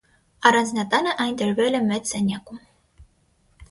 Առանձնատանը այն դրվել է մեծ սենյակում։